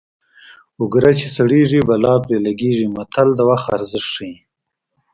اوګره چې سړېږي بلا پرې لګېږي متل د وخت ارزښت ښيي